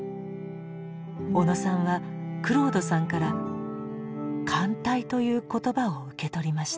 小野さんはクロードさんから「歓待」という言葉を受け取りました。